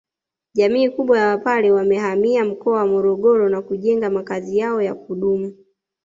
Jamii kubwa ya wapare wamehamia mkoa wa Morogoro na kujenga makazi yao yakudumu